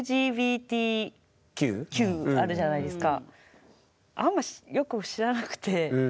あるじゃないですか。